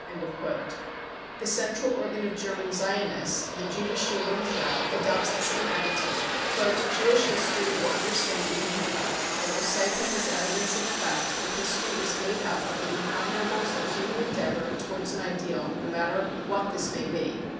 9 The central organ of German Zionists, the Judische Rundschau , adopts the same attitude :" Jewish history will understand even Hitler. It will cite him as evidence of the fact that history is made up of the imponderables of human endeavour towards an ideal, no matter what this may be."